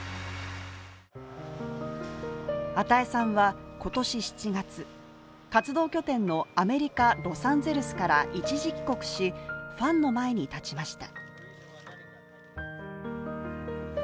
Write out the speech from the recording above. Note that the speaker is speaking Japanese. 與さんは今年７月、活動拠点のアメリカ・ロサンゼルスから一時帰国し、ファンの前に立ちました。